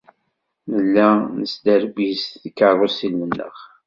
Nella nesderbiz tikeṛṛusin-nneɣ.